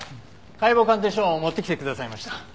解剖鑑定書を持ってきてくださいました。